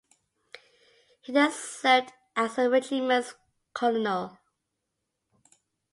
He then served as the regiment's colonel.